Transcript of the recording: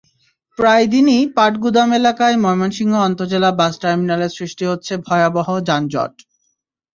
প্রায় দিনই পাটগুদাম এলাকায় ময়মনসিংহ আন্তজেলা বাস টার্মিনালে সৃষ্টি হচ্ছে ভয়াবহ যানজট।